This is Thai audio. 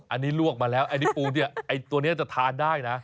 อันนี้ลวกมาแล้วอันนี้ปูเนี่ยไอ้ตัวนี้จะทานได้นะ